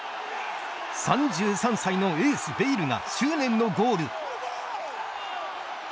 ３３歳のエースベイルが執念のゴール。